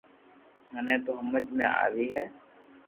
مني تو ھمج ۾ آئي ھي